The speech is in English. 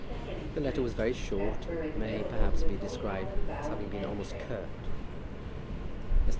The letter was very short, and may, perhaps, be described as having been almost curt. Mr.